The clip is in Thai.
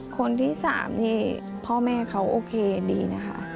คนที่๓นี่พ่อแม่เขาโอเคดีนะคะ